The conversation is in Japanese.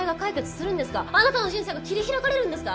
あなたの人生が切り開かれるんですか？